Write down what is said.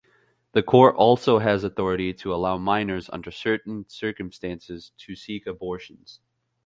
The court also has authority to allow minors, under certain circumstances, to seek abortions.